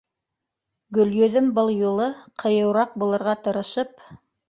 Гөлйөҙөм был юлы ҡыйыуыраҡ булырға тырышып: